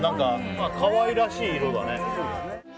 可愛らしい色だね。